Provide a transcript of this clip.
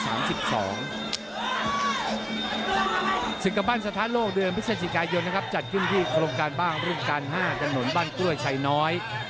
ศึกกันบ้านสถานโลกเดือนพฤศจิกายนนะครับจัดขึ้นที่โครงการบ้างรุ่นการ๕ถนนบ้านกล้วยชัยน้อย